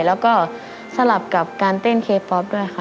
แล้วก็สลับกับการเต้นเคป๊อปด้วยค่ะ